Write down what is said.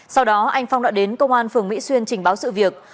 sau đó anh phong đã đến công an tp long xuyên trình báo sự việc